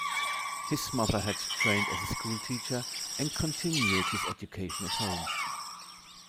His mother had trained as a school teacher, and continued his education at home.